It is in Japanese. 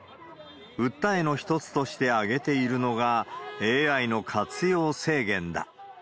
訴えの一つとして挙げているのが、ＡＩの活用制限だ。